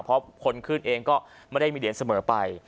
เพราะคนขึ้นเองก็ไม่ได้มีเหรียญเสมอไป